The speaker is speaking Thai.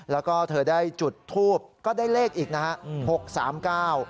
แล้วก็เธอได้จุดทูบก็ได้เลขอีกนะฮะ๖๓๙